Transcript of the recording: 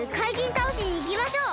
たおしにいきましょう！